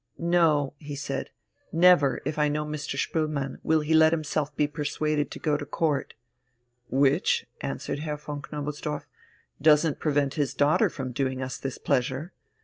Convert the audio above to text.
"No," he said, "never, if I know Mr. Spoelmann, will he let himself be persuaded to go to Court." "Which," answered Herr von Knobelsdorff, "doesn't prevent his daughter from doing us this pleasure.